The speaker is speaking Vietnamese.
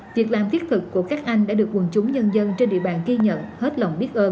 việc làm thiết thực của các anh đã được quần chúng nhân dân trên địa bàn ghi nhận hết lòng biết ơn